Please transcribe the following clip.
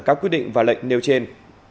các quy định và lệnh nêu trên